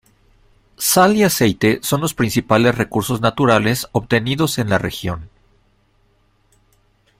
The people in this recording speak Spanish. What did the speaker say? Sal y aceite son los principales recursos naturales obtenidos en la región.